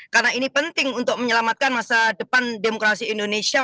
karena ini penting untuk menyelamatkan masa depan demokrasi indonesia